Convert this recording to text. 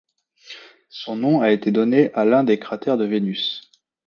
Son nom a été donné à l'un des cratères de Vénus.